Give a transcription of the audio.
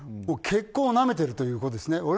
結婚をなめているということですよね。